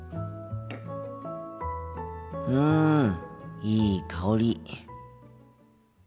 うんいい香り。